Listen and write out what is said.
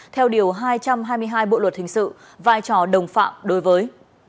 theo điều hai trăm hai mươi hai bộ luật hình sự vai trò đồng phạm đối với